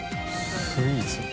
スイーツ。